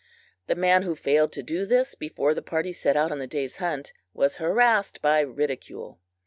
The man who failed to do this before the party set out on the day's hunt was harassed by ridicule.